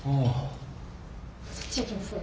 そっち行きますね。